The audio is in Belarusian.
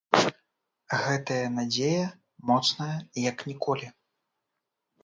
Гэтая надзея моцная як ніколі.